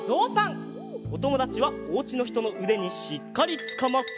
おともだちはおうちのひとのうでにしっかりつかまって。